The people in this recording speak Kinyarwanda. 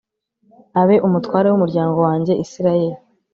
abe umutware w'umuryango wanjye israheli